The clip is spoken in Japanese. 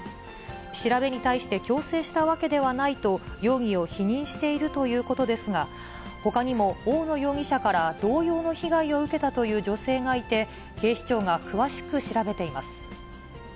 調べに対して、強制したわけではないと、容疑を否認しているということですが、ほかにも大野容疑者から同様の被害を受けたという女性がいて、警視庁が詳しく調べています。